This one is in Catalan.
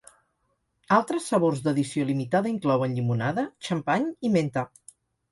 Altres sabors d'edició limitada inclouen llimonada, xampany i menta.